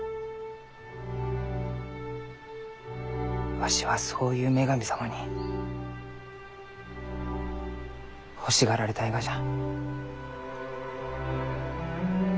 わしはそういう女神様に欲しがられたいがじゃ。